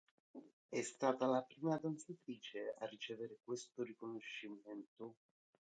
È stata la prima danzatrice a ricevere questo riconoscimento.